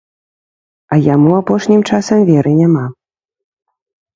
А яму апошнім часам веры няма.